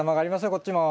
こっちも。